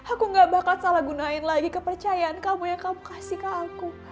aku gak bakal salah gunain lagi kepercayaan kamu yang kamu kasih ke aku